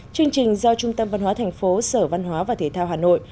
chương trình do trung tâm văn hóa thành phố sở văn hóa và thể thao hà nội